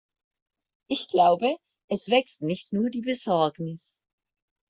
Ich glaube, es wächst nicht nur die Besorgnis.